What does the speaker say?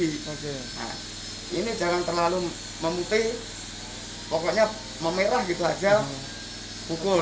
ini jangan terlalu memutih pokoknya memerah gitu saja bukul